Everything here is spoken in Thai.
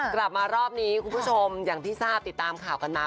กลับมารอบนี้คุณผู้ชมอย่างที่ทราบติดตามข่าวกันมา